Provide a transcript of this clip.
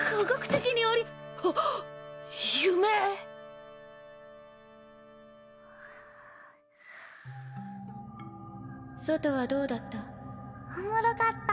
⁉すぅ外はどうだった？